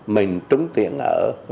mình trúng tuyển ở